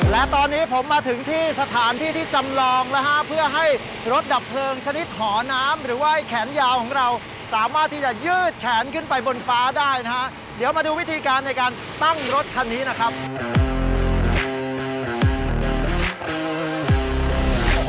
และตอนนี้ผมมาถึงที่สถานที่ที่จำลองนะฮะเพื่อให้รถดับเพลิงชนิดหอน้ำหรือว่าไอ้แขนยาวของเราสามารถที่จะยืดแขนขึ้นไปบนฟ้าได้นะฮะเดี๋ยวมาดูวิธีการในการตั้งรถคันนี้นะครับ